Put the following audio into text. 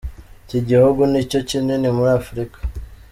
Iki gihugu nicyo kinini muri Afrika.